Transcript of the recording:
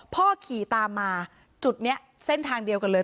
ขี่ตามมาจุดนี้เส้นทางเดียวกันเลย